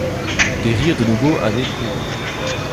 Des rires, de nouveau, avaient couru.